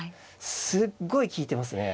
すっごい利いてますね。